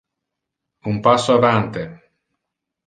Un passo avante.